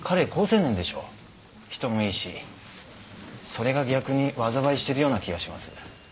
それが逆に災いしてるような気がします。